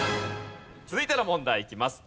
続いての問題いきます。